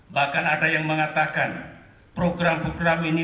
bahkan ada yang mengatakan program program ini